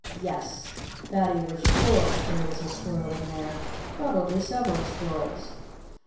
Yes! Fatty was sure that there was a squirrel in there probably several squirrels.